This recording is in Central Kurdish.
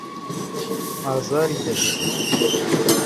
ئازاری دەبێت.